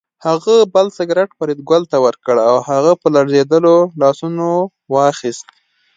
هغه بل سګرټ فریدګل ته ورکړ او هغه په لړزېدلو لاسونو واخیست